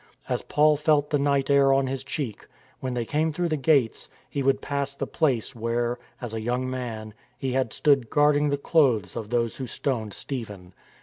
As Paul felt the night air on his cheek, when they came through the gates, he would pass the place where, as a young man, he had stood guarding the clothes of those who stoned Stephen.